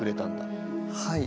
はい。